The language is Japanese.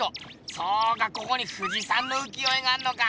そうかここに富士山の浮世絵があんのか。